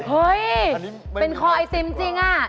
เฮ้ยเป็นคอไอซิมจริงอะ